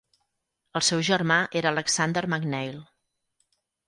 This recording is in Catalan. El seu germà era Alexander McNeill.